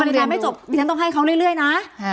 พี่น้ำต้องให้เค้าเรื่อยนะ